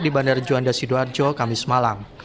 di bandara juanda sidoarjo kamis malam